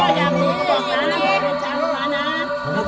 อาจารย์สะเทือนครูดีศิลปันติน